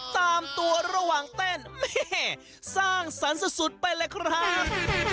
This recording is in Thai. ตามตัวระหว่างเต้นแม่สร้างสรรค์สุดไปเลยครับ